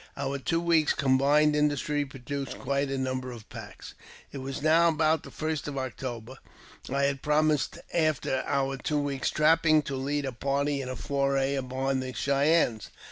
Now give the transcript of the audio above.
Our two weeks' combined industry produced quite a number of packs. It was now about the 1st of October. I had promised, after our two weeks' trapping, to lead a party in a foray upon the Cheyennes.